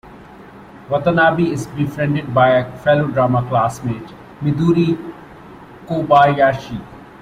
Watanabe is befriended by a fellow drama classmate, Midori Kobayashi.